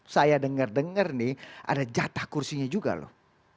saya dengar dengar nih ada jatah kursinya juga loh